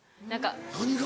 何が？